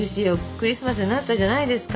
クリスマスになったじゃないですか。